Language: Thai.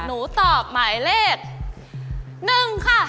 หนูตอบหมายเลข๑ค่ะ